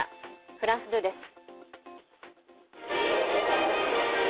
フランス２です。